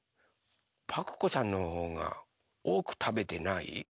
パクこさんのほうがおおくたべてない？